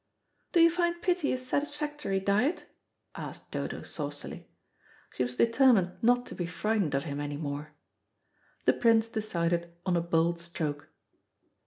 "Do you find pity a satisfactory diet?" asked Dodo saucily. She was determined not to be frightened of him any more. The Prince decided on a bold stroke.